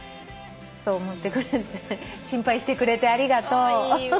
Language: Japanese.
そう思ってくれて心配してくれてありがとう。